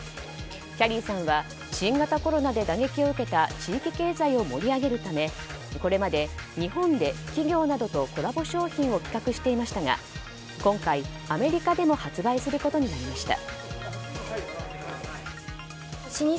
きゃりーさんは新型コロナで打撃を受けた地域経済を盛り上げるためこれまで日本で企業などとコラボ商品を企画していましたが今回、アメリカでも発売することになりました。